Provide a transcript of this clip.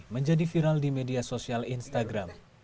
menjadi viral di media sosial instagram